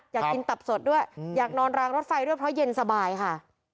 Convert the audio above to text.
อยากกินตับสดด้วยอยากนอนรางรถไฟด้วยเพราะเย็นสบายค่ะ